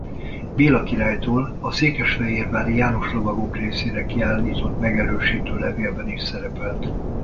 Béla királytól a székesfehérvári János lovagok részére kiállított megerősítő levélben is szerepelt.